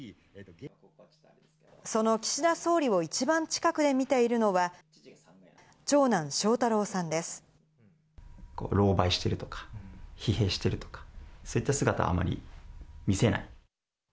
その岸田総理を一番近くで見ているのは、長男、ろうばいしているとか、疲弊しているとか、そういった姿はあまり見せない。